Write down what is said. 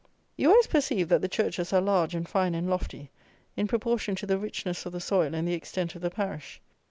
You always perceive that the churches are large and fine and lofty, in proportion to the richness of the soil and the extent of the parish.